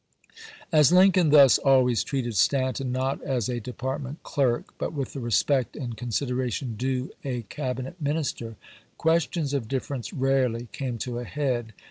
As Lincoln thus always treated Stanton, not as a department clerk, but with the respect and con sideration due a Cabinet minister, questions of dif ference rarely came to a head.